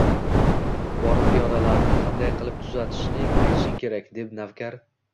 Borib piyolani qanday qilib tuzatishingni aytishing kerak, debdi navkar